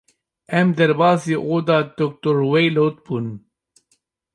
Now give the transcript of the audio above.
Em derbasî oda Dr. Rweylot bûn.